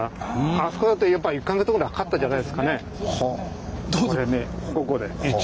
あそこだとやっぱ１か月ぐらいかかったんじゃないですかね。